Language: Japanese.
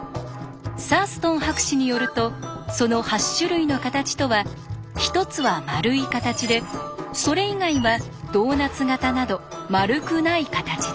サーストン博士によるとその８種類の形とは１つは丸い形でそれ以外はドーナツ型など丸くない形です。